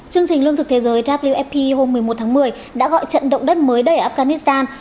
chương trình lương thực thế giới wfp hôm một mươi một tháng một mươi đã gọi trận động đất mới đầy ở afghanistan